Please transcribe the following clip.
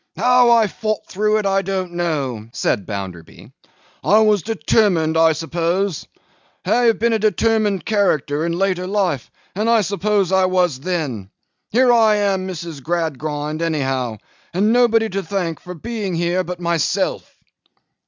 'How I fought through it, I don't know,' said Bounderby. 'I was determined, I suppose. I have been a determined character in later life, and I suppose I was then. Here I am, Mrs. Gradgrind, anyhow, and nobody to thank for my being here, but myself.